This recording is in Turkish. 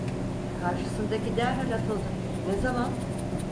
Karşısındaki derhal atıldı: "Ne zaman?"